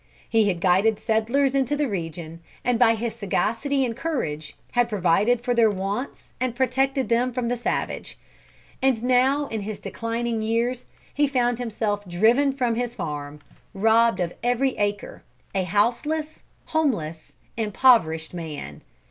He had guided settlers into the region, and by his sagacity and courage, had provided for their wants and protected them from the savage. And now in his declining years he found himself driven from his farm, robbed of every acre, a houseless, homeless, impoverished man.